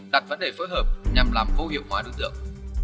đặt vấn đề phối hợp nhằm làm vô hiệu hóa đối tượng